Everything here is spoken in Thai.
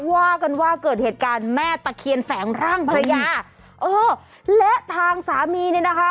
ว่ากันว่าเกิดเหตุการณ์แม่ตะเคียนแฝงร่างภรรยาเออและทางสามีเนี่ยนะคะ